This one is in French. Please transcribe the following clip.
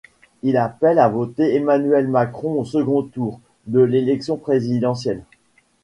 Il appelle à voter Emmanuel Macron au second tour de l'élection présidentielle.